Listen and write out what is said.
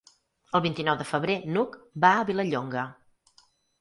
El vint-i-nou de febrer n'Hug va a Vilallonga.